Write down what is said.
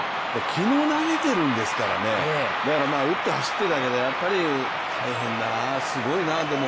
昨日投げてるんですからだから、打って走ってだけどやっぱり大変だな、すごいな、でも。